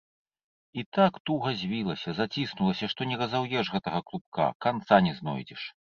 І так туга звілася, заціснулася, што не разаўеш гэтага клубка, канца не знойдзеш.